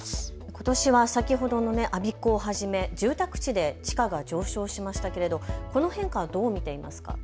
ことしは先ほどの我孫子をはじめ住宅地で地価が上昇しましたけれどこの変化はどう見ていますか。